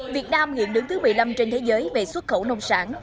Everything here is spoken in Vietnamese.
việt nam hiện đứng thứ một mươi năm trên thế giới về xuất khẩu nông sản